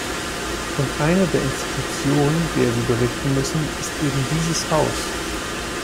Und eine der Institutionen, der sie berichten müssen, ist eben dieses Haus.